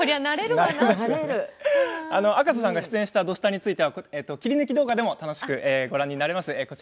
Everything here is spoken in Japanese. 赤楚さんが出演した「土スタ」については切り抜き動画でも楽しくご覧になることができます。